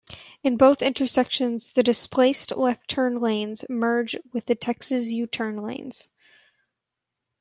In both intersections, the displaced left turn lanes merge with the Texas U-turn lanes.